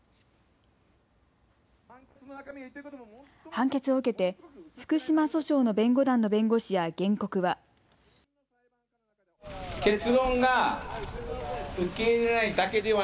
判決を受けて福島訴訟の弁護団の弁護士や原告は。